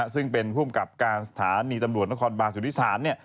ซึ่งเป็นภูมิกับการสถานีตำรวจนครบานสุธิศาล